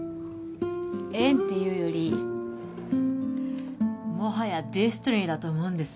縁っていうよりもはやＤｅｓｔｉｎｙだと思うんです